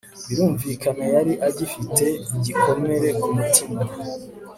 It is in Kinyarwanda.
birumvikana yari agifite igikomere ku mutima